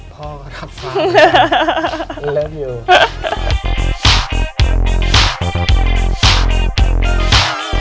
พ่อก็รักฟ้ารักคุณ